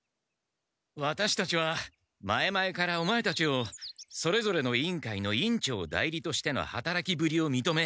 ワタシたちは前々からオマエたちをそれぞれの委員会の委員長代理としてのはたらきぶりをみとめ